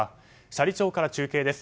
斜里町から中継です。